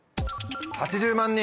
「８０万人」。